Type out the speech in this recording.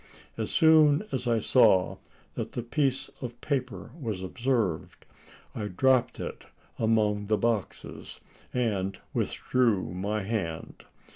As soon as I saw that the piece of paper was observed, I dropped it among the boxes, and withdrew my hand.